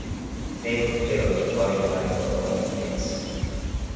They would fail to qualify for the Olympics.